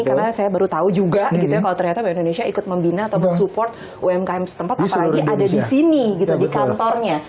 karena saya baru tahu juga gitu ya kalau ternyata bank indonesia ikut membina atau support umkm setempat apalagi ada disini gitu di kantornya